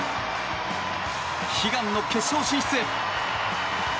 悲願の決勝進出へ。